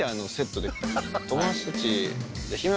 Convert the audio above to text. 友達たち。